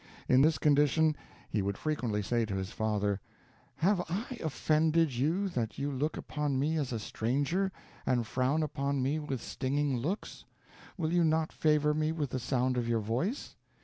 In this condition, he would frequently say to his father, "Have I offended you, that you look upon me as a stranger, and frown upon me with stinging looks? Will you not favor me with the sound of your voice?